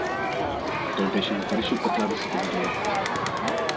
Той бе навършил петнадесета година.